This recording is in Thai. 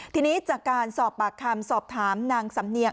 ทีนี้จากการสอบปากคำสอบถามนางสำเนียง